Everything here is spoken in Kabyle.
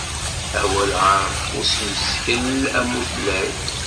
Awal ɣef usmeskel amutlay.